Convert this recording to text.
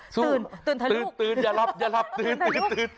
ตื่นตื่นทะลุกตื่นตื่นอย่าลับอย่าลับตื่นตื่นตื่น